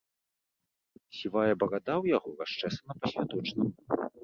Сівая барада ў яго расчэсана па-святочнаму.